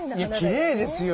いやきれいですよ。